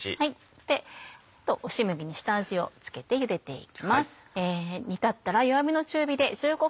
押し麦に下味を付けてゆでていきます。